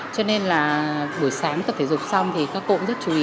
cho nên là buổi sáng tập thể dục xong thì các cụ cũng rất chú ý